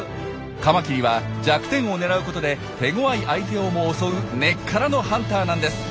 カマキリは弱点を狙うことで手ごわい相手をも襲う根っからのハンターなんです。